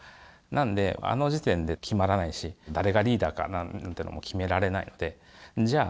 なんであの時点で決まらないし誰がリーダーかなんてのも決められないのでじゃあ